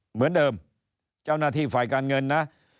เหมือนเดิมเจ้าหน้าที่ฝ่ายการเงินนะ